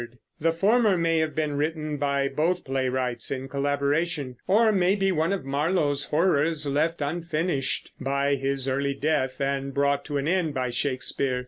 The former may have been written by both playwrights in collaboration, or may be one of Marlowe's horrors left unfinished by his early death and brought to an end by Shakespeare.